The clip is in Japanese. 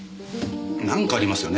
何かありますよね